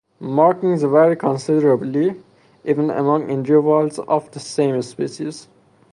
Markings vary considerably, even among individuals of the same species.